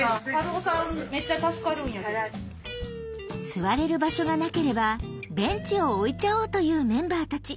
座れる場所がなければベンチを置いちゃおうというメンバーたち。